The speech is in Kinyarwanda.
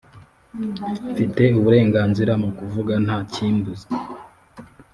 Nfite uburenganzira mu kuvuga nta kimbuza